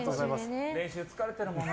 練習で疲れてるもんね。